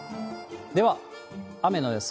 では、雨の予想。